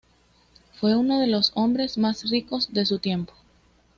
Fue uno de los hombres más ricos de su tiempo.